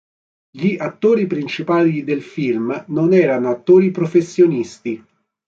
Gli attori principali del film non erano attori professionisti.